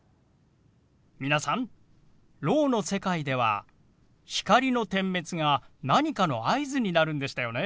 皆さんろうの世界では光の点滅が何かの合図になるんでしたよね。